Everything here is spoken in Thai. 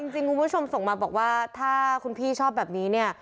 จริงคุณผู้ชมส่งมาบอกว่าถ้าคุณพี่ชอบแบบนี้เนี่ย